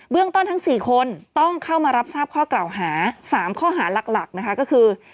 เรื่องต้นทั้ง๔คนต้องเข้ามารับทราบข้อกล่าวหา๓ข้อหาหลักนะคะก็คือ